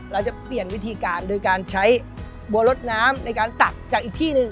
เราจะเปลี่ยนวิธีการโดยการใช้บัวรถน้ำในการตักจากอีกที่หนึ่ง